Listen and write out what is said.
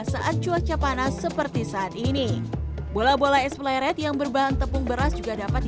sebagai minuman yang terkenal di jalan sunia raja kota bandung ini dibanderol seharga mulai dari dua belas rupiah per porsi